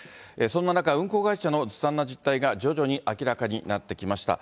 そんな中、運航会社のずさんな実態が徐々に明らかになってきました。